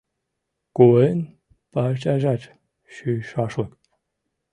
Куэн парчажат шӱйшашлык.